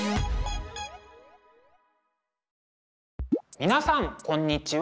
皆さんこんにちは。